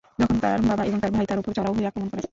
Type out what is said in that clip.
তখন তার বাবা এবং তার ভাই তার উপর চড়াও হয়ে আক্রমণ করে।